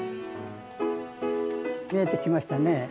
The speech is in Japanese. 見えてきましたね。